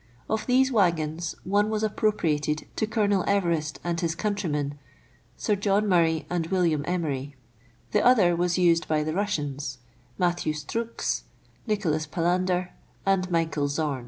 Of these waggons, one was appropriated to Colonel Everest and his countrymen, Sir John Murray and William Emery : the other was used by the Russians, Matthew Strux, Nicholas Palander, and Michael Zorn.